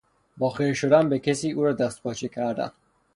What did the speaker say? با خیره شدن به کسی او را دستپاچه کردن